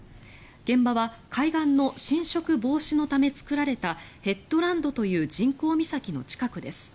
現場は海岸の浸食防止のため造られたヘッドランドという人工岬の近くです。